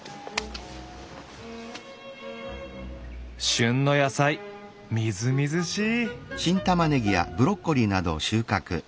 旬の野菜みずみずしい！